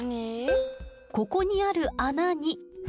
ここにある穴に。